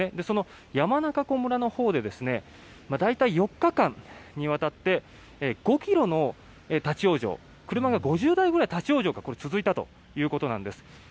その山中湖村のほうで大体４日間にわたって５ｋｍの立ち往生車が５０台くらい、立ち往生が続いたということです。